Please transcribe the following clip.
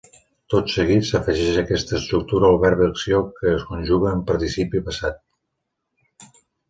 Tot seguit, s'afegeix a aquesta estructura el verb d'acció que es conjuga en participi passat.